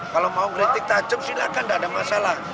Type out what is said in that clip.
kalau mau kritik tajam silahkan tidak ada masalah